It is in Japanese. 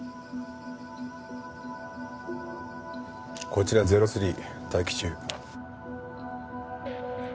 こちらゼロ３待機中。